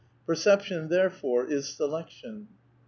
Perception, therefore, is selection.